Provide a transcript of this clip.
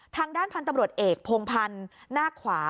ทางด้านพันธุ์ตำรวจเอกพงพันธ์หน้าขวา